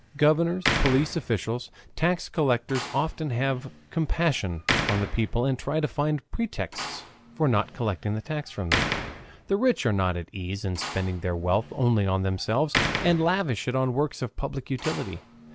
Governors, police officials, tax collectors often have compassion on the people and try to find pretexts for not collecting the tax from them. The rich are not at ease in spending their wealth only on themselves, and lavish it on works of public utility.